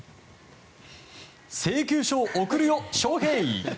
「請求書を送るよショウヘイ」。